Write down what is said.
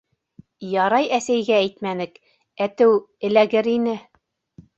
Ярай әсәйгә әйтмәнек, әтеү, эләгер ине.